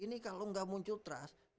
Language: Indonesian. ini kalau nggak muncul trust